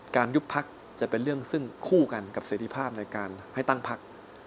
ยุบพักจะเป็นเรื่องซึ่งคู่กันกับเสรีภาพในการให้ตั้งพัก